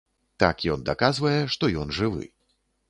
Так ён даказвае, што ён жывы.